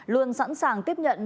luôn sẵn sàng tiếp nhận